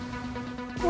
mungkin itu adalah